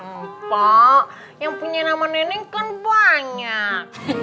mpo yang punya nama neneng kan banyak